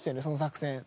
その作戦。